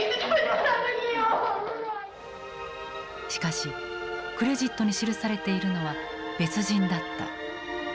しかしクレジットに記されているのは別人だった。